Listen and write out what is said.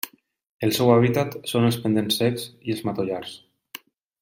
El seu hàbitat són els pendents secs i els matollars.